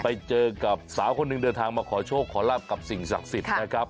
ไปเจอกับสาวคนหนึ่งเดินทางมาขอโชคขอลาบกับสิ่งศักดิ์สิทธิ์นะครับ